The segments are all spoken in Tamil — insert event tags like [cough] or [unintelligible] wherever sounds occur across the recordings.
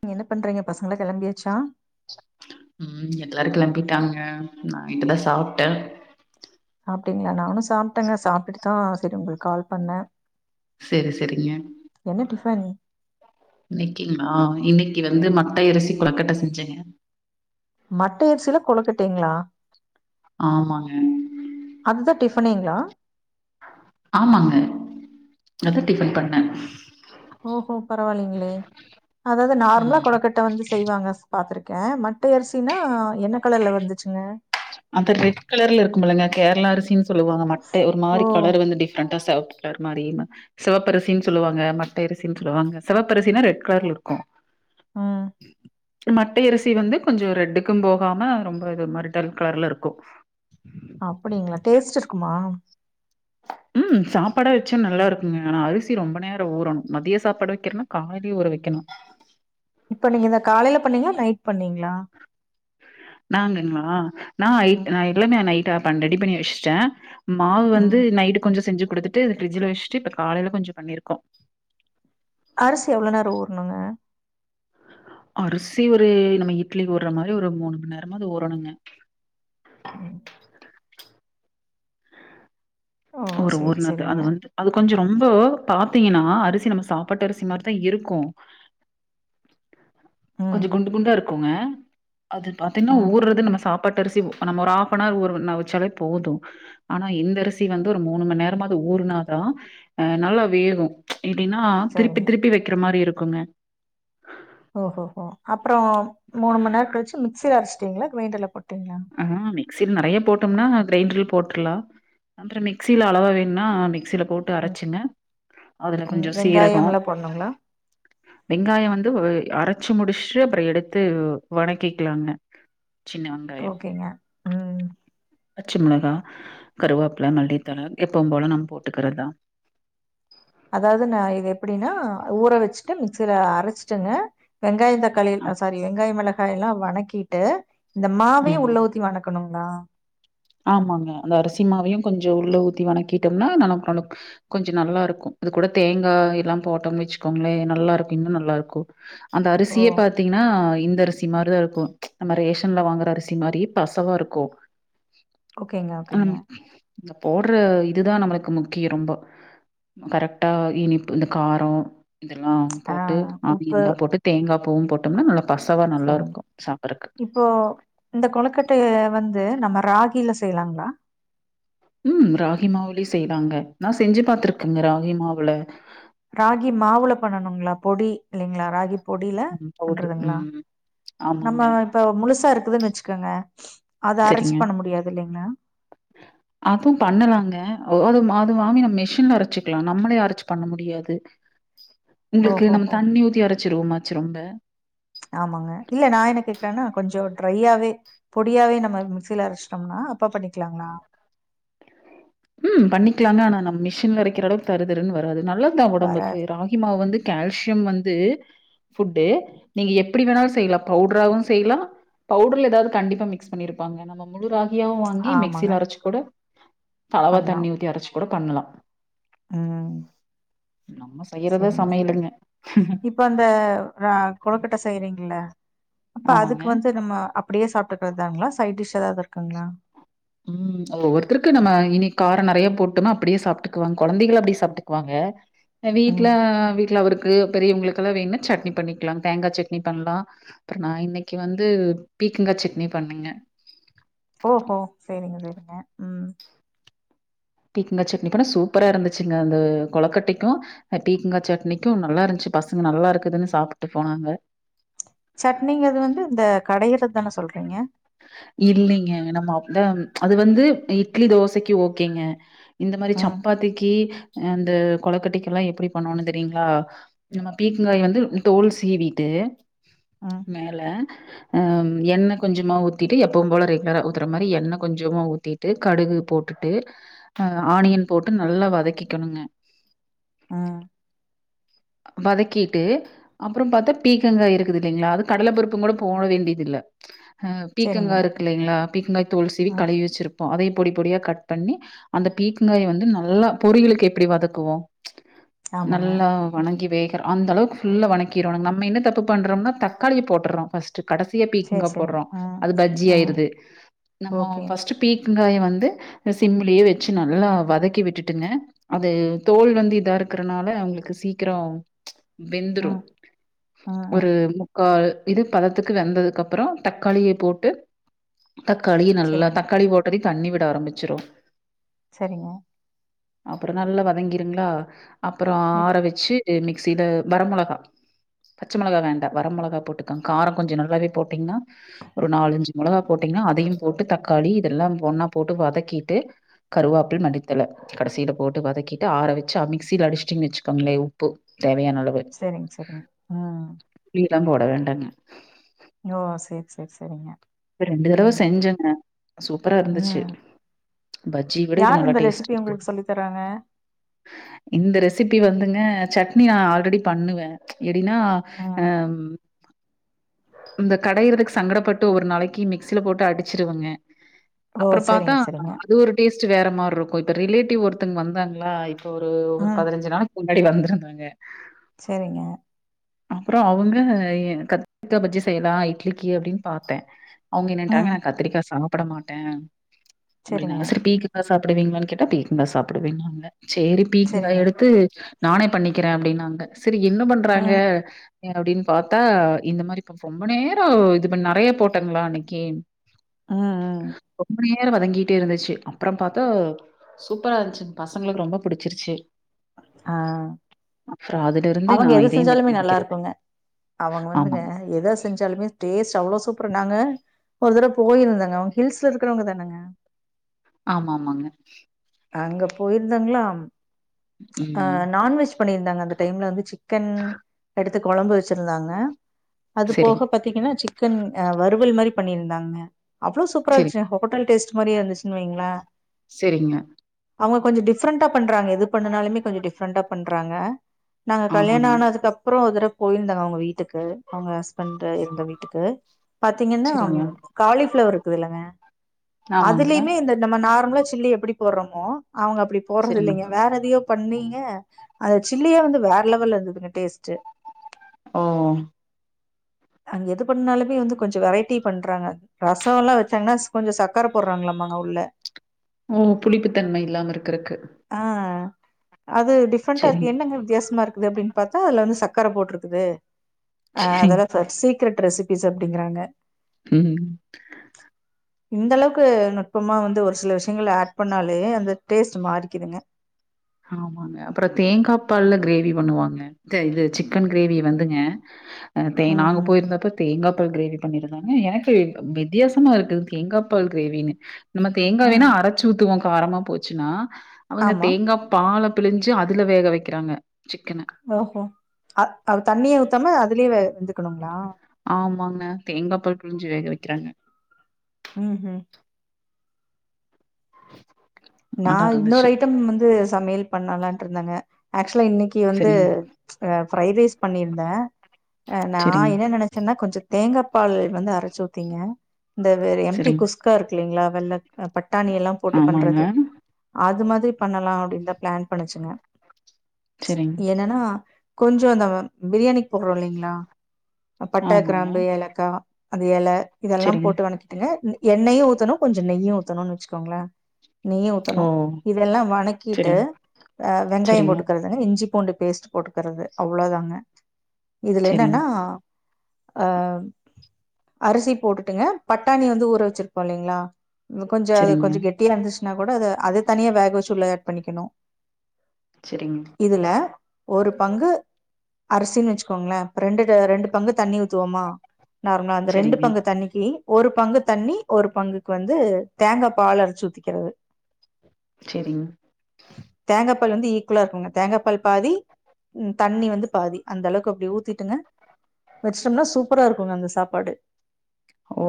நீங்க என்ன பண்றீங்க பசங்கள்ல கெளம்பியாச்சா ம் எல்லாரு கிளம்பிட்டாங்க நா இப்ப தா சாப்ட்ட அப்டிங்களா நானு சாப்ட்டங்க சாப்டுட்டு தா சரி உங்களுக்கு கால் பண்ண சரி சரிங்க டிஃபன்? இன்னைக்கிங்ளா இன்னைக்கு வந்து மட்டை அரிசி குலக்கட்ட செஞ்சங்க மட்டை அரிசியில கொழுக்கட்டீங்களா ஆமாங்க அதுதான் டிஃபனேங்களா ஆமாங்க அதான் டிஃபன் பண்ண ஓஹோ பரவாயில்லைங்களே அதாவது நார்மலா ம். கொழுக்கட்டை வந்து செய்வாங்க பாத்திருக்கேன் முட்டை அரிசினா என்ன கலர்ல வந்துச்சுங்க அந்த ரெட் கலர்ல இருக்கும் இல்லங்க கேரளா அரிசின்னு சொல்லுவாங்க மட்டே ஒரு ஓ! மாரி கலர் வந்து டிஃப்ரெண்டா சிவப்பு கருமாரின்ம்பாங்க சிவப்பரிசின்னு சொல்லுவாங்க மட்ட அரிசின்னு சொல்லுவாங்க சிவப்பரிசின்னா ரெட் கலர்ல இருக்கும் ம் மட்டை அரிசி வந்து கொஞ்சோ ரெட்டுக்கும் போகாம ரொம்ப இது மாரி டல் கலர்ல இருக்கும் அப்டிங்களா டேஸ்ட் இருக்குமா ம் சாப்பாட வச்ச நல்லா இருக்குங்க ஆனா அரிசி ரொம்ப நேரம் ஊறணும் மதியம் சாப்பாடு வைக்கறனா காலைலே ஊற வைக்கணும் இப்ப நீங்க இந்த காலைல பண்ணீங்களா நைட் பண்ணீங்களா நாங்களா நான் ஐட் ம். நான் எல்லாமே நைட் ரெடி பண்ணி வச்சுட்டேன் மாவு வந்து ம். நைட்டு கொஞ்சோ செஞ்சு குடுத்துட்டு இத ஃப்ரி்ஜ்ல வச்சுட்டு இப்ப காலையில கொஞ்சோ பண்ணிருக்கோம் அரிசி எவ்ளோ நேரம் ஊரணுங்க அரிசி ஒரு நம்ம இட்லிக்கு ஊருற மாரி ஒரு மூணு மநேரமாவது ஊரணுங்க ம் ஓ! ஒரு சரி, ஊர்நது சரிங்க. அது வந்துட்டு அது கொஞ்சம் ரொம்போ பாத்தீங்கன்னா அரிசி நம்ம சாப்பாட்டு அரிசி மாரிதான் இருக்கும் ம். கொஞ்சம் குண்டு குண்டா இருக்குங்க அது பாத்திங்கனா ம். ஊறது நம்ம சா பாட்டரிசி நம்ம ஒரு ஆஃபநார் ஊர வச்சாலே போதும் ஆனா இந்தரி சி வந்து ஒரு மூணு மநேரமாது ஊறனாதான் நல்லா வேகும் எப்டின்னா சரிங்க. திருப்பி திருப்பி வைக்கிற மாரி இருக்குங்க ஓஹோ ஹோ அப்புறம் மூணு மநேரம் கழுச்சு மிக்சில அரச்சிட்டிங்களா. கிரைண்டர்ல போட்டீங்களா ஆ மிக்சி நிறைய போட்டோம்னா கிரைண்டர்ல போட்ருலாம் அப்பறம் மிக்சியில அளவா வேணா மிக்சியில போ ட்டு ம், அரச்சன்னா அதுல ம். கொஞ்சோ சீரகம் வெங்காயம்லாம் போடணுங்களா? வெங்காய வந்து ஒரு அரைச்சு முடிச்சுட்டு அப்பறம் எடுத்து வணக்கிக்கலாங்க சின்ன வெங் ஓகேங்க ம். பச்ச மொளகா கருவேப்பில மல்லிதல எப்பவும் போலும் நம்ம போட்டுக்கிறதுதான் அதாவது நான் இது எப்டின்னா ஊற வச்சுட்டு மிக்சியில அரைச்சிட்டங்க வெங்காயம் தக் காளி அ. சாரி வெங்காயம் மிளகாய் எல்லாம் வணக்கிட்டு இந்த மாவையு ம். உள்ள ஊத்தி வணக்கணுங்களா ஆமாங்க அந்த அரிசிமாவையும் கொஞ்சம் உள்ள ஊத்தி வணக்கிட்டோம்னா நனக்கொலக் கொஞ்சம் நல்லா இருக்கும் இது கூட தேங்காய் எல்லாம் போட்டோம் வச்சுக்கோங்களே நல்லா இருக்கும் இன்னும் நல்லா இருக்கும் அந்த ஓ! அரிசியே பாரத்தீங்கன்னா இந்தரி சி மாரிதான் இருக்கும் நம்ம ரேஷன்ல வாங்குற அரிசி மாரி பசவா இருக்கும் ஓகேங்க ஓகேங்க. ஆம் நீங்க போடுற இதுதான் நம்மளுக்கு முக்கியம் ரொம்போ கரெக்டாகி இனிப் இந்த காரம் இதெல்லாம் ஆ போட்டு உப்பு ஆனியன்ல்லாம் போட்டு தேங்காய் பூவும் போட்டோம்னா நல்லா பசவா சரிங்க. நல்லாருக்கும் சாப்பட்றக்கு இப்போ இந்த கொழுக்கட்டய வந்து நம்ம ராகில செய்யலாங்களா ம் ராகி மாவுலயயூ செய்லாங்க நா செஞ்சு பார்த்திருக்கேங்க ராகி மாவுல ராகி மாவுல பண்ணனுங்களா பொடி இல்லலைங்களா ராகி பொடில ம் பவுடர். பண்றதுங்களா ம். ஆமாங்க. நம்ம இப்ப முழுசா இருக்குதுன்னு வச்சுக்கோங்க அத அரச்சி சரிங்க. பண்ண முடியாது இல்லலைங்களா அதூ பண்ணலாங்க வே அது மா அது வாங்கி நம்ம மெஷின்ல அரச்சிக்கலா நம்மளே அரச்சி பண்ண முடியாது உங்களுக்கு நம்ம ஓஹோஹோ தண்ணி ஊத்தி அரச்சுருவோ [unintelligible] ம்ல்ல ஆமாங்க இல்ல நா என்ன கேக்குறேன்னா கொஞ்சே ட்ரையாவே பொடியாவே நம்ம மிக்சியில அரச்சிட்டோம்னா அப்பா பண்ணிக்கலாங்களா ம் பண்ணிக்கலா தா ஆனா நம்ம மிஷின்ல அரைக்கிற அளவுக்கு தரு தருன்னு வராது நல்லத் தா ஒடம்புக்கு வராது ராகி மாவ் வந்து கால்சியம் வந்து ஃபுட்டு நீங்க எப்படி வேணாலும் செய்யலாம் பவுடராவும் செய்யலாம் பவுடர்ல ஏதாவது கண்டிப்பா மிக்ஸ் பண்ணிருப்பாங்க நம்ம முழு ராகியாவும் வாங்கி ஆமாங்க மிக்சில அரச்சு கூட தளவா பண்லா தண்ணி ஊத்தி அரச்சு கூட பண்ணலாம் ம் நம்ம செய்யறதா செரிங்க செரிங்க சமையலுங்க இப்ப அந்த ரா கொழக்கட்ட செய்றீங்கில்ல அப்ப ஆமாங்க. அதுக்கு வந்து நம்மோ அப் அப்பிடியே சாப்ட்டுக்கிறத் தாங்களா சைட் டிஷ் ஏதாவது இருக்குங்களா ம் ஒவ்வொருத்தருக்கும் நம்ம இனி காரோ நெறய போட்டோம்னா அப்பிடியே சாப்பிட்டுக்குவாங்க கொழந்தைகளூ அப்பிடியே சாப்பிட்டுக்குவாங்க எ வீட்ல ம் அ வீட்ல அவருக்கு பெரியவங்களுக்கெல்லா வேண்ணா சட்னி பண்ணிக்கலா தேங்கா சட்னி பண்லா கண்ணா இன்னிக்கு வந்து பீக்கங்கா சட்னி பண்ணேங்க ஒ ஓ செரிங்க செரிங்க ம் பீக்கங்கா சட்னிக்கூட சூப்பரா இருந்துச்சுங்க அந்த கொழக்கட்டைக்கும் அ பீக்கங்கா சட்னிக்கும் நல்லா இருந்துச்சு பசங்க நல்லா இருக்குதுன்னு சாப்ட்டுப் போனாங்க சட்னிங்கிறது வந்து இந்த கடயிறது தானே சொல்றீங்க இல்லேங்க நம்ம அப் வந்து அது வந்து இட்லி தோசைக்கு ஓகேங்க இந்த மாரி ம் சப்பாத்திக்கி அந்த கொழக்கட்டக்கி எல்லாம் எப்பிடி பண்ணோன்னு தெரியீங்களா நம்ம பீக்கங்காய வந்து தோல் சீவிட்டு ம் மேல ஆம் எண்ணெ கொஞ்சமா ஊத் திட்டு எப்பவும் போல ரெகுலரா ஊத்துற மாரி எண்ணெ கொஞ்சமா ஊத்திட்டு கடுகு போட்டுட்டு ஆனியன் போட்டு நல்லா வதக்கிக்கணுங்க அ வதக்கீட்டு அப்புறம் பாத்தா பீக்கங்கா இருக்குது இல்லிங்களா அது கடல பருப்பும் கூட போட வேண்டியது இல்லே ஆ செரிங்க பீக்கங்கா இருக்கு இல்லைங்களா பீக்கங்காய் தோல் சீவி ம் கழுவி வச்சிருப்போம் அதை பொடி பொடியா கட் பண்ணி அந்த பீக்கங்காய வந்து நல்லா பொரியலுக்கு எப்பிடி வதக்குவோ ஆமாங்க. நல்லா ம். வேகறோ அந்தளவுக்கு ஃபுல்லா வணக்கிறோனுங்க நம்ம என்ன தப்பு பண்றோம்னா தக்காளிய போட்டுர்றோ ஃபஸ்ட் கடசியா சரி, பீக்கங்கா சரி. போட்றோ ஆ, அது பஜ்ஜி ஆ. ஆயிருது நம்மோ ஓகே. ஃபஸ்ட்டு பீக்கங்காய வந்து சிம்லயே வெச்சு நல்லா வதக்கி விட்டுட்டுங்க அது தோல் வந்து இதா இருக்கறனால உங்களுக்கு சீக்கிரம் ஆ, வெந்துரும் ஆ, ஆ. ஒரு முக்கால் இது பதத்துக்கு வெந்ததுக்கு அப்புறம் தக்காளிய போட்டு தக்காளியு நல்லா சரிங்க, தக்காளி போட்டதையூ தண்ணி விட ஆரம்பிச்சிரோ சரிங்க அப்புறோ நல்லா வதங்கிருங்களா அப்றோ மிக் ஆற வெச் சி மிக்சில வர மொளகா பச்ச மொளகா வேண்டா வர மொளக போட்டுக்கங் காரோ கொஞ்சோ நல்லாவே போட்டீங்கன்னா ஒரு நாலஞ்சு மொளகா போட்டீங்கன்னா அதயும் போட்டு தக்காளி இதெல்லா ஒண்ணா போட்டு வதக்கிட்டு கறுவேப்பில மல்லித்தழ கடைசில போட்டு வதக்கிட்டு ஆற வச்சு அ மிக்சில அடிச்சுட்டீங்கன்னு வச்சுக்கோங்களே ப்பு தேவையான அளவு செரிங்க செரிங்க ஆ பீடாங்க ஓட வேண்டாங்க யோ செரி செரி செரிங்க ரெண்டு தடவ செஞ்சேங்க சூப்பரா இருந்துச்சு ம். பஜ்ஜி விட இது யார் நல்லா இந்த டேஸ்ட் ரெசிபி இருக்குது உங்களுக்கு சொல்லி தராங்க? இந்த ரெசிபி வந்துங்க சட்னி நா ஆல்ரெடி பண்ணுவே எடின்னா அ ம். இந்த கடையுறதுக்கு சங்கடப்பட்டு ஒரு நாளைக் கி மிக்சில போட்டு அடிச்சிருவேங்க ஓ! அப்புறோ பாத்தா சரிங்க, சரிங்க. அது ஒரு டேஸ்ட்டு வேற மார் இருக்கு இப்ப ரிலேட்டிவ் ஒருத்தங்க வந்தாங்களா இப்ப ஒரு ஒரு ம். பதினஞ்சு நாளைக்கி அடி வந்திருந்தாங்க செரிங்க அப்றோ அவுங்க எ கத்திக்கா பஜ்ஜி செய்லா இட்லிக்கு அப்டின்னு பாத்தே அவுங்க என்னன்டாங்க ம். நா கத்திரிக்கா சாப்பிட மாட்டே சரிங்க, அப்டின்னாங்க செரி பீக் ங்கா சாப்பிடுவீங்களான்னு கேட்டா பீக்கங்கா சாப்பிடுவேன்னாங்க சேரி பீக்கங்க்கா சரிங்க. எடுத்து நானே பண்ணிக்கிறே அப்டின்னாங்க செரி என்ன பண்றாங்க ம், ஏரவுடின் பாத்தா இந்த மாரி இப்ப ரொம்ப நேரோ இது பண் நெறய போட்டாங்களா அன்னைக்கு ம், ம். ரொம்ப நே நேரோ வதங்கிட்டே இருந்துச்சு அப்றம் பாத்தா சூப்பரா இருந்ச்சு பசங்களுக்கு ரொம்ப பிடிச்சிருச்சு ஆ அதுலருந்து அவங்க நான் எது இதே மாரி செஞ்சாலு மே நல்லா பண்ணிக்கிறது. இருக்குங்க அவங்க வந்துங்க ஆமாங்க. எத செஞ்சாலுமே டேஸ்ட் அவ்ளோ சூப்பர் நாங்க ஒரு தட போயிருந்தேங்க அவங்க ஹில்ஸ்ல இருக்குறவங்க தானங்க ஆமா ஆமாங்க அங்க போயிருந்தங்களா அ ம். நான்வெஜ் பண்ணியிருந்தாங்க அந்த டைம்ல வந்து சிக்கன் எடுத்து கொழம்பு வச்சிருந்தாங்க அது சரிங்க, போக பத் திங்கன்னா சிக்கன் அ வறுவல் மாரி பண்ணி இருந்தாங்க அவ்ளோ சூப்பரா இருந்ச்சு சரிங்க, ஹோ ஹோட்டல் டேஸ்ட் மாரியே இருந்துச்சுனு வைங்களே செரிங்க அவங்க கொஞ்சோ டிஃப்ரெண்டா பண்றாங்க எது பண்ணுனாலுமே கொஞ்சோ டிஃப்ரெண்டா பண்றாங்க நாங்க கல்யாணோ ஆமாங்க. ஆனதுக்கு அப்றோ ஒருதடவ போயிருந்தோங்க அவங்க வீட் ட்டுக்கு அவங்க ஹஸ்பண்ட் இருந்த வீட்டுக்கு பாத்தீங்கன்னா சரிங்க. ம் காலிஃப்ளவர் இருக்குதுலங்க ஆமாங்க. அதுலயுமே இந்த நம்ம நார்மலா ஜில்லி எப்டி போர்றோமோ அவங்க அப்டி போர்றது சரிங்க. இல்லைங்க வேற எதயோ பண்ணீங்க அந்த ஜில்லியே வந்து வேற லெவல்ல இருந்து துங்க டேஸ்ட்டு ஓ அங்க எது பண்ணாலுமே வந்து கொஞ்சோ வெரைட்டி பண்றாங்க ரசோ எல்லா வச்சாங்கன்னா கொஞ்சோ சக்கர போடுறாங்களாமாங்க உள்ள ம் புளிப்புத்தன்மை இல்லாம இருக்குறக்கு ஆ அது டிஃப்ரெண்டண்டா இருக்கு சரிங்க, என்னங்க வித்தியாசமா இருக்குது அப்படின் பாத்தா அல வந்து சக்கர போட்ருக்குது அ சரிங்க. அதெல்லா வெப் சீக்ரெட் ரெசிபிஸ் அப்டிங்றாங்க ம் இந்த அளவுக்கு நுட்பமா வந்து ஒரு சில விஷயங்கள ஆட் பண்ணாலே அந்த டேஸ்ட் மாறிக்குதுங்க ஆமாங்க அப்புறோ தேங்காய் பால்ல கிரேவி பண்ணுவாங்க த இது சிக்கன் கிரேவி வந்துங்க தே நாங்க ம்ஹ்ம். போயிருந்தப்ப தேங்கா பால் கிரேவி பண்ணிருந்தாங்க எனக்கு வித்தியாசமா இருக்குது தேங்கா பால் கிரேவின்னு நம்ம தேங்கா வேணா ம். அரச்சு ஊத்துவோ காரமா போச்சுன்னா அவங்க ஆமா. தேங்காப் பால பிழிஞ்சு அதுல வேக வக்கிறாங்க சிக்கன ஓஹோ அது அது தண்ணியே ஊத்தாம அதுலயே வேக வெந்துக்கணுங்களா ஆமாங்க தேங்கா பால் பிழிஞ்சி வேக வக்கிறாங்க ம் ம் நா நல்லா இன்னொரு இருந்துச்சு. ஐட்டம் வந்து சமையல் பண்ணலான்ட்டு இருந்தங்க ஆக்சுவலா இன்னக்கி வந்து சரிங்க, ஆ ஃப்ரைடு ரைஸ் பண்ணிருந்தே ஆ நா சரிங்க, என்ன நெனச்சன்னா கொஞ்சோ தேங்கா பால் வந்து அரச்சி ஊத்திங்க இந்த வே எம் டி சரிங்க. குஸ்கா இருக்குல்லீங்களா வெள்ளக் பட்டாணி எல்லா போட்டு ஆமாங்க. பண்றது அது மாதிரி பண்ணலா அப்டின்தா பிளான் பண்ணுச்சுங்க சரிங்க. என்னன்னா கொஞ்சோ இந்த பிரியாணிக்கி போட்றோ இல்லைங்களா பட்ட ஆமாங்க. கிராம்பு ஏலக் கா அந்த எல இதெல்லா சரிங்க. போட்டு வணக்கி டுங்க எண்ணெயு ஊத்தணு கொஞ்சோ நெயு ஊத்தணுன்னு வச்சுக்கோங்களே நெய்யு ஊக்தணு ஓ! இதெல்லா வணக்கிட்டு சரிங்க, ஆ வெங்காயோ சரிங்க, போட்டுக்கறது இஞ்சி பூண்டு பேஸ்ட் போட்டுக்கறது அவ்ளோ தாங்க இதுல சரிங்க. என்னன்னா ஆ அரிசி போட்டுட்டுங்க பட்டாணி வந்து ஊற வச்சிருப்போ இல்லலைங்களா கொஞ்சோ அது சரிங்க, கொஞ்சோ கெட்டியா இருந்துச்சுன்னா கூட அத அத தனியா வேக வச்சு உள்ள ஆட் பண்ணிக்கணு செரிங்க இதுல ஒரு பங்கு அரிசின்னு வச்சுக்கோங்களே இப்ப ரெண்டு ரெண்டு பங்கு தண்ணி ஊத்துவோமா நார்மலா அந்த ரெண்டு சரிங்க, பங்கு தண்ணிக்கு ஒரு பங்கு தண்ணி ஒரு பங்குக்கு வந்து தேங்கா பால் அரைச்சி ஊத்திக்கிறது செரிங்க தேங்கா பால் வந்து ஈக்குவலா இருக்குங்க தேங்கா பால் பாதி ம் தண்ணி வந்து பாதி அந்த அளவுக்கு அப்டி ஊத்திட்டுங்க வச்சிட்டோம்னா சூப்பரா இருக்குங்க அந்த சாப்பாடு ஓ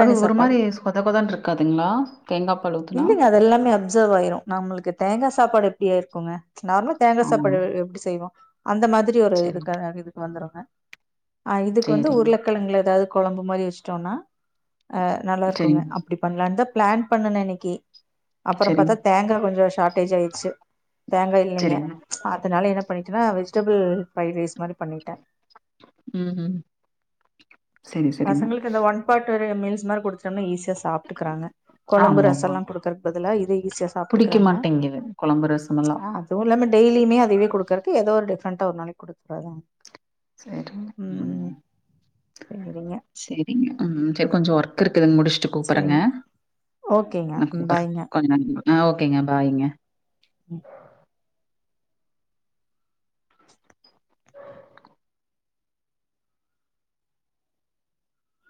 அது ஒரு சாப்பாடு மாரி சொத கொதன்னு இருக்காதுங்களா தேங்காப் இல்லங்க அது எல்லாமே அப்சர்வ் ஆயிரு நம்மளுக்கு தேங்கா சாப்பாடு எப்டியாயிருக்குங்க நார்மலா தேங்கா ஆமா. ஆமா. சாப்பாடு எப்டி செய்வோ அந்த மாதிரி ஒரு சரி, இதுக்கு இதுக்கு வந்துருங்க ஆ இதுக்கு வந்து சரிங்க, உருளக்கெழங்குல ஏதாவது கொழம்பு மாரி வச்சுட்டோன்னா ஆ நல்லா இருக்குங்க சரிங்க, அப்டி பண்ணலாந்தா பிளான் பண்ணுனே இன்னக்கி அப்பறோ சரிங்க, பாத்தா தேங்கா கொஞ்சோ ஷார்ட்டேஜ் ஆயிருச்சி தேங்கா இல்லங்க சரிங்க. அதனால என்ன பண்ணிட்டேன்னா வெஜிடபிள் ஃப்ரைட் ரைஸ் மாரி பண்ணிட்டே ம் ம் பசங்களுக்கு இந்த ஒன் பார்ட் ஒரு மீல்ஸ் மாரி குடுத்துட்டோம்னா ஈஸியா சாப்ட்டுகுறாங்க கொழம்பு ரசம்லா குடுக்குறக் பதுலா இது புடிக்க மாட்டேங்கிது கொழம்பு ரசமல்லா ஆ அதுவு இல்லாம டெய்லியுமே அதவே குடுக்குறக்கு ஏதோ ஒரு டிஃப்ரண்டா ஒரு நாளைக்கி குடுக்குறதா செரிங்க ம் சரிங்க செரிங்க ம் செரி கொஞ்சோ ஒர்க் இருக்குதுங்க முடிச்சுட்டு கூப்பர்றேங்க சேரிங்க ஓகேங்க நா ம் கூப்பர்றே பாய்ங்க கொஞ்ச நேரோ ஆ ஓகேங்க பாய்ங்க ம்